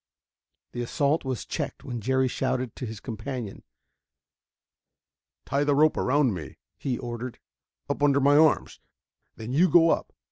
The assault was checked when Jerry shouted to his companion. "Tie the rope around me," he ordered, "up under my arms ... then you go on up.